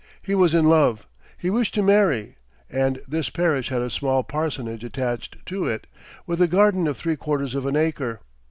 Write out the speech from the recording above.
He was in love; he wished to marry; and this parish had a small parsonage attached to it, with a garden of three quarters of an acre.